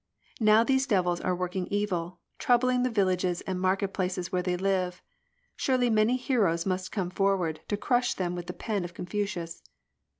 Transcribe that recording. Now these devils are working evil. Troubling the villages and market places where they live. Surely many heroes must come forward To crush them with the pen of Confucius.